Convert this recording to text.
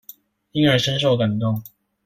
因而深受感動